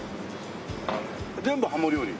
全部ハモ料理？